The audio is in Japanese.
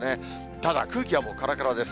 ただ、空気はもうからからです。